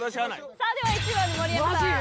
さあでは１番の盛山さんマジ！？